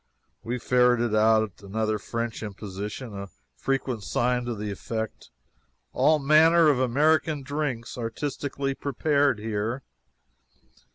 We ferreted out another French imposition a frequent sign to this effect: "ALL MANNER OF AMERICAN DRINKS ARTISTICALLY PREPARED HERE."